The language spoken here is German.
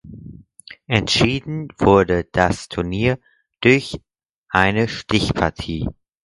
Entschieden wurde das Turnier durch eine Stichpartie.